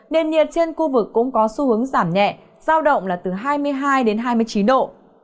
nền nhiệt trên khu vực cũng có xu hướng giảm nhẹ giao động là từ hai mươi hai đến hai mươi chín độ